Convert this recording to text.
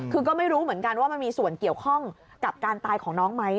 คือก็ไม่รู้เหมือนกันว่ามันมีส่วนเกี่ยวข้องกับการตายของน้องไหม